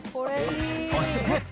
そして。